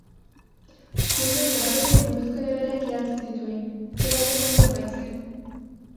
Juduen gorabeherei buruzko eleberriak idatzi zituen, bera ere judua baitzen.